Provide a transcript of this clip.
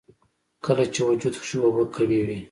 کله چې وجود کښې اوبۀ کمې وي